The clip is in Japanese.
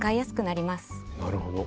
なるほど。